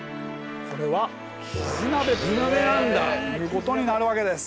これはキジ鍋ということになるわけです。